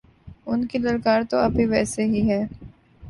ان کی للکار تو اب بھی ویسے ہی ہے۔